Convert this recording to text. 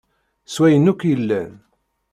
S wayen akk yellan.